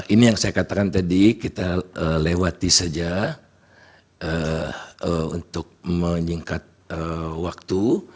ini yang saya katakan tadi kita lewati saja untuk menyingkat waktu